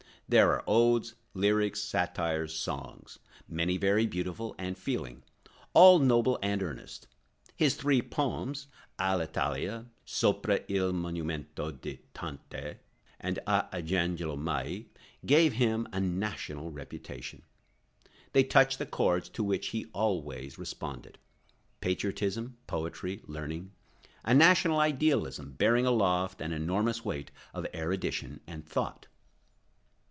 There are odes, lyrics, satires, songs; many very beautiful and feeling; all noble and earnest. His three poems, "All' Italia," "Sopra il Monumento di Dante," "A Angelo Mai," gave him a national reputation. They touch the chords to which he always responded—patriotism, poetry, learning, a national idealism bearing aloft an enormous weight of erudition and thought.